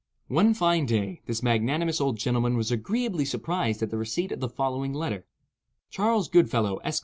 One fine day, this magnanimous old gentleman was agreeably surprised at the receipt of the following letter: Charles Goodfellow, Esq.